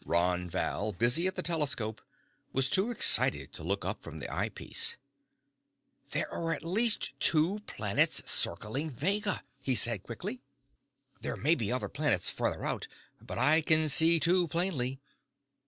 Ron Val, busy at the telescope, was too excited to look up from the eye piece. "There are at least two planets circling Vega!" he said quickly. "There may be other planets farther out, but I can see two plainly.